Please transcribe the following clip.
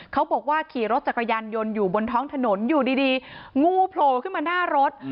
เขาบอกว่าขี่รถจักรยานยนต์อยู่บนท้องถนนอยู่ดีงูโผล่ขึ้นมาหน้ารถ